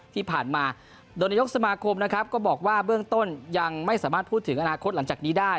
ที่ผ่านมาโดยนายกสมาคมนะครับก็บอกว่าเบื้องต้นยังไม่สามารถพูดถึงอนาคตหลังจากนี้ได้